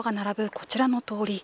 こちらの通り。